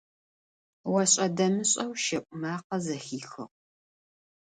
ОшӀэ-дэмышӀэу щэӀу макъэ зэхихыгъ.